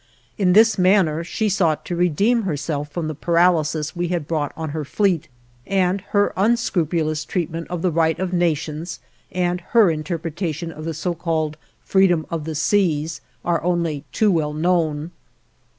In this manner, she sought to redeem herself from the paralysis we had brought on her fleet, and her unscrupulous treatment of the right of nations and her interpretation of the so called "freedom of the seas" are only too well known.